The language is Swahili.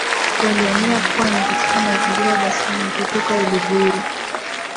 Walihamia pwani katika mazingira ya Dar es salaam kutoka Uluguru